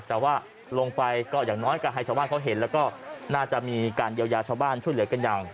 แต่ว่าลงไปก็อย่างน้อยก็ให้ชาวบ้านเขาเห็นแล้วก็น่าจะมีการเยียวยาชาวบ้านช่วยเหลือกันอย่าง